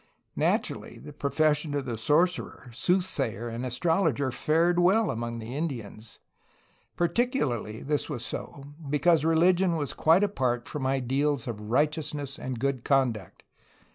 Naturally the profession of the sorcerer, soothsayer, and astrologer fared well among THE INDIANS 19 the Indians. Particularly was this so, because religion was quite apart from ideals of righteousness and good conduct.